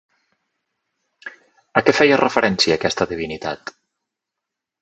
A què feia referència aquesta divinitat?